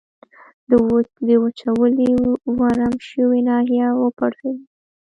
د وچولې ورم شوې ناحیه و پړسېدل.